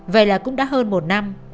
vậy là cũng đã hơn một năm